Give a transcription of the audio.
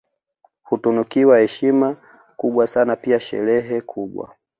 Hutunukiwa heshima kubwa sana pia sherehe kubwa